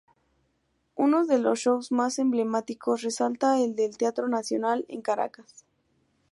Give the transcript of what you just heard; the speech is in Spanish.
Unos de los shows más emblemáticos resalta el de El Teatro Nacional en Caracas.